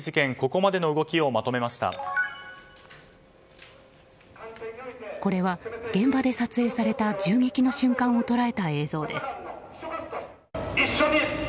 これは現場で撮影された銃撃の瞬間を捉えた映像です。